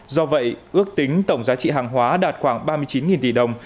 do vậy ước tính tổng giá trị hàng hóa đạt khoảng ba mươi chín tỷ đồng